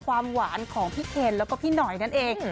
ความหวานของพี่เคนแล้วก็พี่หน่อยนั่นเอง